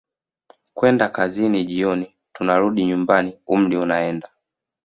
kwenda kazini jioni tunarudi nyumbani umri unaenda